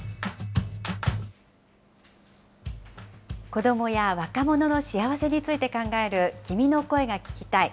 子どもや若者の幸せについて考える、君の声が聴きたい。